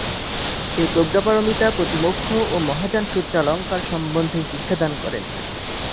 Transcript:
তিনি প্রজ্ঞাপারমিতা, প্রতিমোক্ষ ও মহাযানসূত্রালঙ্কার সম্বন্ধে শিক্ষা দান করেন।